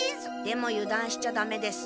でもゆだんしちゃダメです。